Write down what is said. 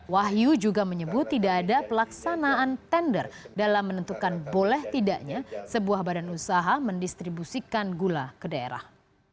wahyu juga menyebut tidak ada pelaksanaan tender dalam menentukan boleh tidaknya sebuah badan usaha mendistribusikan gula ke daerah